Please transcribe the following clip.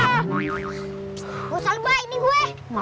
gak usah lupa ini gue